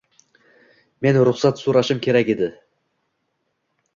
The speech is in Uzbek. Men ruxsat soʻrashim kerak edi.